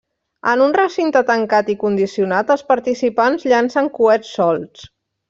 En un recinte tancat i condicionat, els participants llancen coets solts.